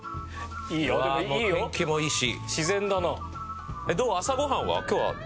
天気もいいし。